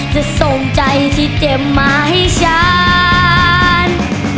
จะส่งใจที่เจ็บมาให้ฉัน